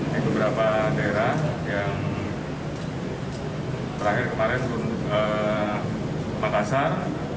di beberapa daerah yang terakhir kemarin pun ke makasar